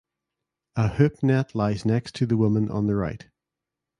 A hoop net lies next to the woman on the right.